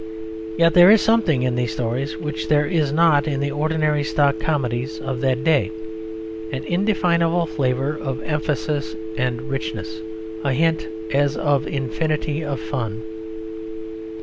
Yet there is something in these stories which there is not in the ordinary stock comedies of that day: an indefinable flavour of emphasis and richness, a hint as of infinity of fun.